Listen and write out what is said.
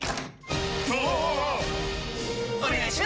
お願いします！！！